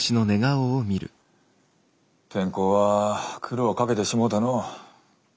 転校は苦労かけてしもうたのう。